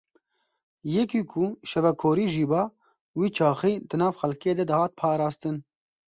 Yekî ku şevekorî jî ba, wî çaxî di nav xelkê de dihat parastin.